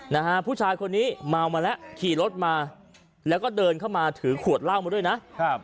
นะฮะผู้ชายคนนี้เมามาแล้วขี่รถมาแล้วก็เดินเข้ามาถือขวดเหล้ามาด้วยนะครับ